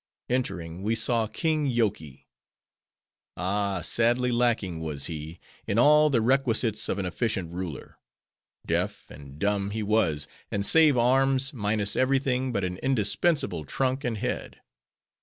Entering, we saw King Yoky. Ah! sadly lacking was he, in all the requisites of an efficient ruler. Deaf and dumb he was; and save arms, minus every thing but an indispensable trunk and head.